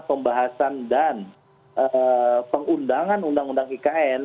pembahasan dan pengundangan undang undang ikn